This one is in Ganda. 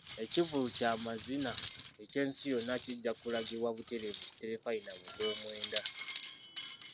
Ekivvulu ky'amazina eky'ensi yonna kijja kulagibwa butereevu ku terefayina mu gw'omwenda.